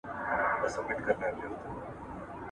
د خوړو پر وخت ګړنديتوب مه کوه